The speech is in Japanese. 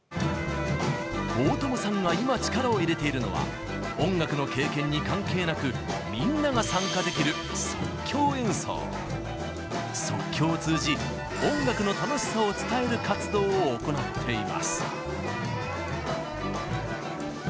大友さんが今力を入れているのは音楽の経験に関係なく即興を通じ音楽の楽しさを伝える活動を行っています。